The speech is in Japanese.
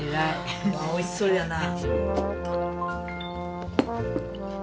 おいしそうやな。